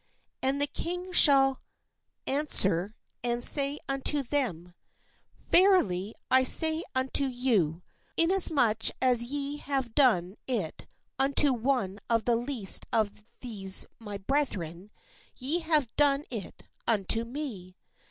And the King shall an swer and say unto them : 'Verily I say unto you, Inasmuch as ye have done it unto one of the least of these my brethren, ye have done it unto me."